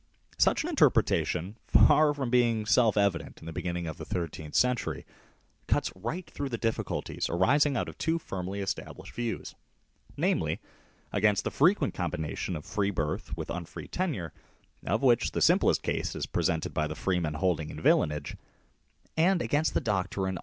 Such an interpretation, far from being self evident in the beginning of the thirteenth century, cuts right through the difficulties arising out of two firmly established views; namely, against the frequent combinations of free birth with unfree tenure,, of which the simplest case is presented by the freemen holding in villainage, 1 and against the doctrine that 1 Vinogradoff, "Villainage in England," pp. 77, 78. MAGNA CARTA, C.